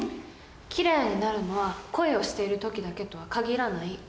きれいになるのは恋をしている時だけとは限らない。